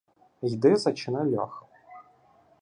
— Йди зачини льох.